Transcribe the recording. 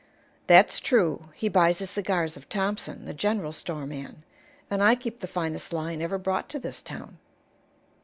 "That's true. He buys his cigars of Thompson, the general store man, and I keep the finest line ever brought to this town."